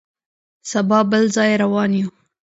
سبا بل ځای روان یو.